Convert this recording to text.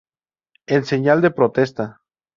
en señal de protesta